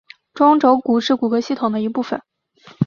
中轴骨是骨骼系统的一部分。